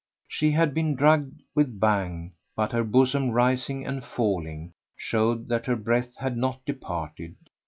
She had been drugged with Bhang, but her bosom, rising and falling, showed that her breath had not departed.